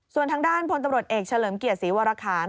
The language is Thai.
ส่วนทางด้านพลตำรวจเอกเฉลิมเกียรติศรีวรคาร